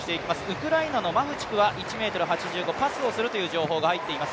ウクライナのマフチクは１ｍ８５、パスをするという情報が入っています。